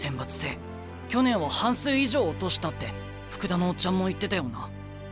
去年は半数以上落としたって福田のオッチャンも言ってたよな。